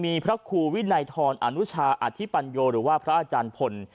มีพระครูวินัยทรอนุชาอธิปัญโยหรือว่าพระอาจารย์พล